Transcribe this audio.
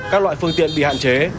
các loại phương tiện bị hạn chế